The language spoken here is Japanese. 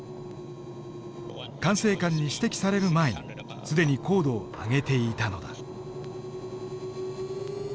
管制官に指摘される前に既に高度を上げていたのだ。